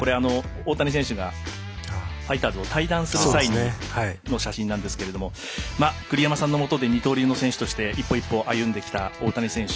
大谷選手が、ファイターズを退団する際の写真ですが栗山さんのもとで二刀流の選手として一歩一歩歩んできた大谷選手